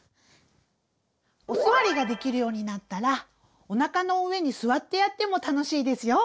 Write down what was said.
お座りができるようになったらおなかの上に座ってやっても楽しいですよ。